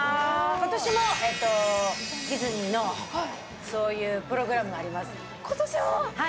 今年もディズニーのプログラムがありますので。